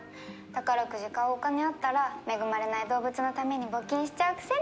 宝くじ買うお金あったら恵まれない動物のために募金しちゃうくせに。